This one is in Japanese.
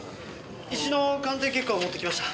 石の鑑定結果を持ってきました。